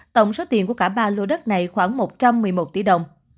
tổng số tiền của cả ba lô đất này khoảng một trăm một mươi một tỷ đồng